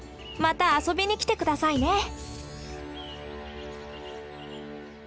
また遊びに来て下さいね！